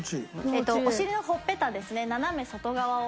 お尻のほっぺたですね。